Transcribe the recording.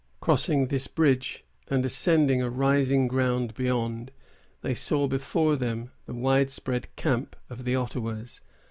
Crossing this bridge, and ascending a rising ground beyond, they saw before them the wide spread camp of the Ottawas.